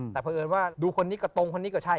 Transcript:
แต่เพราะเอิญว่าดูคนนี้ก็ตรงคนนี้ก็ใช่